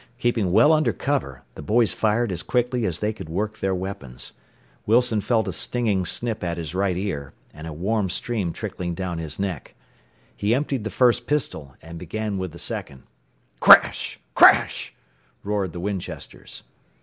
Keeping well under cover, the boys fired as quickly as they could work their weapons. Wilson felt a stinging snip at his right ear, and a warm stream trickling down his neck. He emptied the first pistol, and began with the second. "Crash! Crash!" roared the Winchesters.